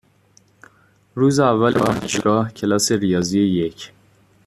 روز اول دانشگاه، کلاس ریاضی یک؛